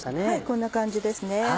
こんな感じですね。